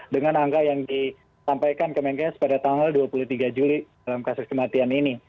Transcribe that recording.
dengan angka yang disampaikan kemenkes pada tanggal dua puluh tiga juli dalam kasus kematian ini